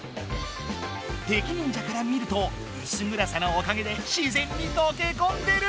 敵忍者から見るとうすぐらさのおかげでしぜんにとけこんでる！